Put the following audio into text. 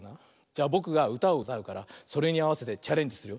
じゃぼくがうたをうたうからそれにあわせてチャレンジする。